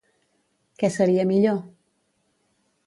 Què seria millor?